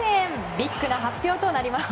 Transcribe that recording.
ビッグな発表となりました。